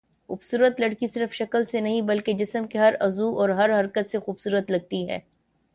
خوبصورت لڑکی صرف شکل سے نہیں بلکہ جسم کے ہر عضو اور ہر حرکت سے خوبصورت لگتی ہے